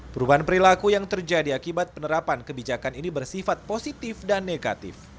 perubahan perilaku yang terjadi akibat penerapan kebijakan ini bersifat positif dan negatif